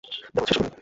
নামায শেষ কর।